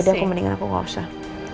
jadi aku mendingin aku gak usah